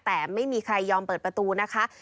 แต่ไม่มีใครยอมเปิดประตูนะคะ